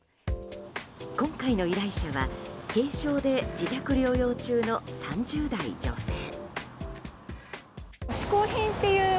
今回の依頼者は軽症で自宅療養中の３０代女性。